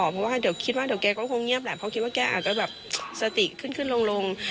เพราะว่าเดี๋ยวคิดว่าเดี๋ยวแกก็คงเงียบแหละเพราะคิดว่าแกอาจจะแบบสติขึ้นขึ้นลง